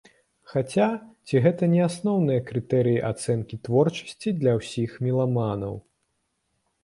Хаця, ці гэта не асноўныя крытэрыі ацэнкі творчасці для ўсіх меламанаў.